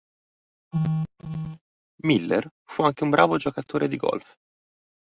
Miller fu anche un bravo giocatore di golf.